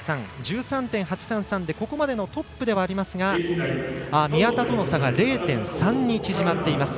でここまでのトップではありますが宮田との差が０．３に縮まっています。